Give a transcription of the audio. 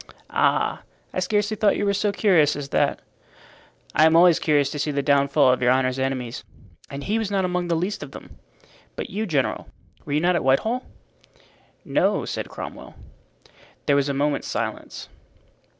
"Ah! I scarcely thought you were so curious as that." "I am always curious to see the downfall of your honor's enemies, and he was not among the least of them. But you, general, were you not at Whitehall?" "No," said Cromwell. There was a moment's silence.